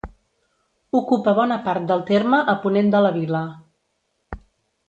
Ocupa bona part del terme a ponent de la vila.